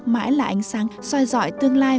mãi là ánh sáng soi dọi tương lai